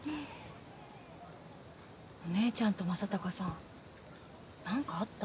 お姉ちゃんと正隆さんなんかあった？